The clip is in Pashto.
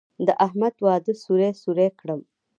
د احمد واده سوري سوري کړم.